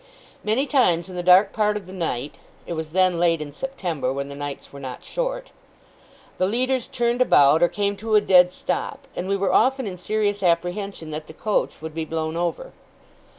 Many times, in the dark part of the night (it was then late in September, when the nights were not short), the leaders turned about, or came to a dead stop; and we were often in serious apprehension that the coach would be blown over.